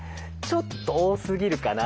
ちょっと多すぎるかな。